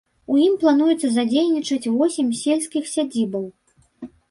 У ім плануецца задзейнічаць восем сельскіх сядзібаў.